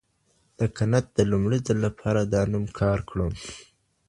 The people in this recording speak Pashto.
کنت د لومړي ځل لپاره دا نوم کار کړ.